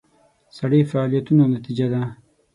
سړي فعالیتونو نتیجه ده.